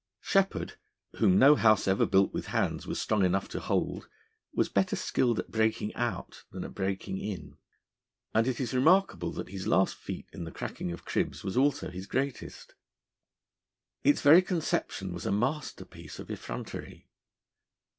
Sheppard, whom no house ever built with hands was strong enough to hold, was better skilled at breaking out than at breaking in, and it is remarkable that his last feat in the cracking of cribs was also his greatest. Its very conception was a masterpiece of effrontery.